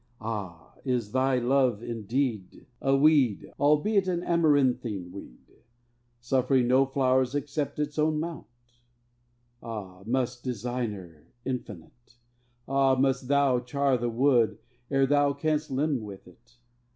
Ah! is Thy love indeed A weed, albeit an amaranthine weed, Suffering no flowers except its own to mount? Ah! must Designer infinite! Ah! must Thou char the wood ere Thou canst limn with it?